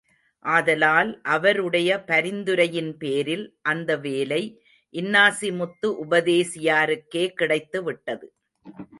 ஆதலால் அவருடைய பரிந்துரையின்பேரில் அந்த வேலை இன்னாசி முத்து உபதேசியாருக்கே கிடைத்து விட்டது.